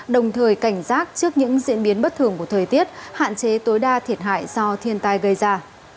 đồng thời cảnh giác trước những diễn biến bất thường của thời tiết hạn chế tối đa thiệt hại do thiên tai gây ra